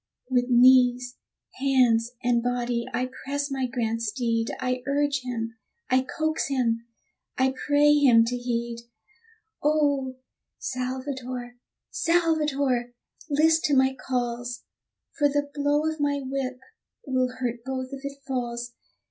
With knees, hands, and body I press my grand steed I urge him, I coax him, I pray him to heed! Oh, Salvator! Salvator! list to my calls, For the blow of my whip will hurt both if it falls.